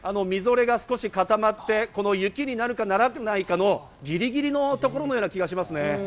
みぞれが少し固まって、雪になるかならないかのギリギリのところのような気がしますね。